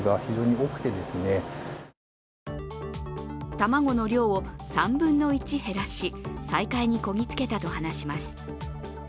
卵の量を３分の１減らし再開にこぎつけたと話します。